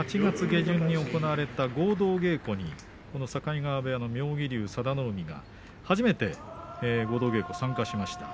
８月下旬の合同稽古に境川部屋の妙義龍、佐田の海が初めて合同稽古、参加しました。